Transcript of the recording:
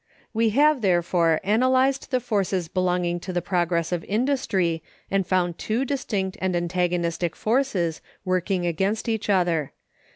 We have, therefore, analyzed the forces belonging to the progress of industry, and found two distinct and antagonistic forces, working against each other.